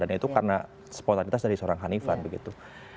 itu karena spontanitas dari seorang hanifan begitu